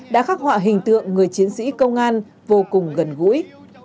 đã khắc họa hình tượng người chiến sĩ công an vô cùng gần gũi